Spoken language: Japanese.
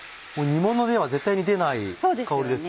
煮ものでは絶対に出ない香りですね。